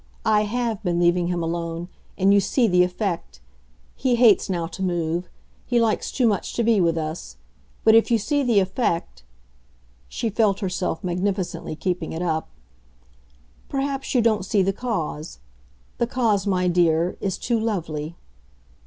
I HAVE been leaving him alone, and you see the effect. He hates now to move he likes too much to be with us. But if you see the effect" she felt herself magnificently keeping it up "perhaps you don't see the cause. The cause, my dear, is too lovely."